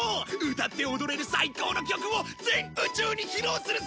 歌って踊れる最高の曲を全宇宙に披露するぜ！